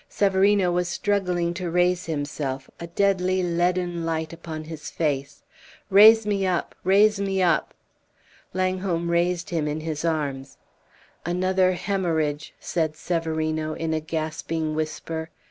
Severino was struggling to raise himself, a deadly leaden light upon his face. "Raise me up raise me up." Langholm raised him in his arms. "Another hemorrhage!" said Severino, in a gasping whisper.